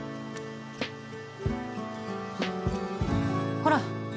ほら。